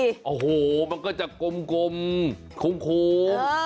โอ้โหมันก็จะกลมโค้ง